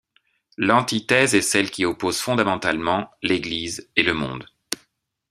L’antithèse est celle qui oppose fondamentalement l'église et le monde.